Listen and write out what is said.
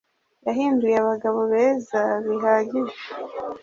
yahinduye abagabo beza bihagije